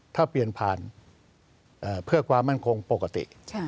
ถ้าเปลี่ยนผ่านเพื่อความมั่นคงปกติ